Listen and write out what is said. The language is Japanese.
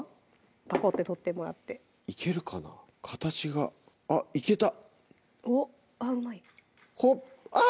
パコッて取ってもらっていけるかな形があっいけたおっうまいほっあっ！